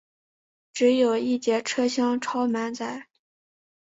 只有一节车厢超满载